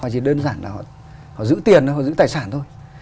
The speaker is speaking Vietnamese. chỉ đơn giản là họ giữ tiền họ giữ tài sản thôi